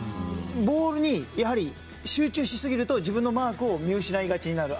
ボールに集中しすぎると自分のマークを見失いがちになる。